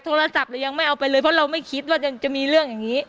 โทรศัพท์เรายังไม่เอาไปเลยเพราะเราไม่คิดว่าจะมีเรื่องอย่างนี้